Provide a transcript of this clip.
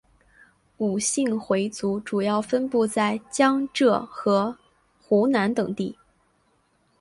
伍姓回族主要分布在江浙和湖南等地。